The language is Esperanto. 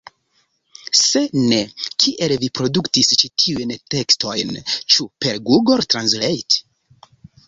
Se ne, kiel vi produktis ĉi tiujn tekstojn, ĉu per Google Translate?